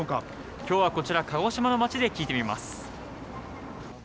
きょうはこちら、鹿児島の街で聞いてみます。